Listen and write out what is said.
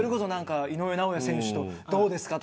それこそ井上尚弥選手とどうですかとか。